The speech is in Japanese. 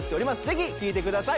是非聴いてください